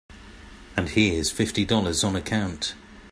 And here's fifty dollars on account.